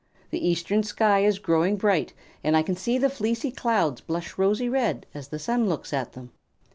The eastern sky is growing bright, and I can see the fleecy clouds blush rosy red as the sun looks at them."